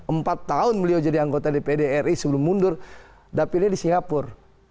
empat tahun beliau jadi anggota dpd ri sebelum mundur dapilnya di singapura